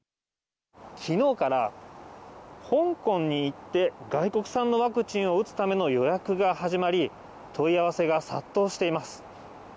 きのうから、香港に行って外国産のワクチンを打つための予約が始まり、問い合わせが殺到しています。